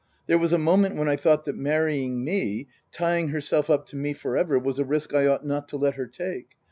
There was a moment when I thought that marrying me tying herself up to me for ever was a risk I ought not to let her take.